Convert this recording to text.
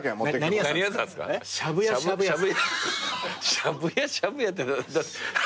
「しゃぶやしゃぶや」って。